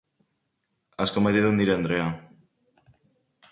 Asko maite dut nire andrea.